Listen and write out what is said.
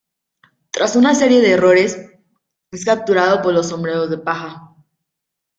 Tras una serie de errores, es capturado por los Sombrero de paja.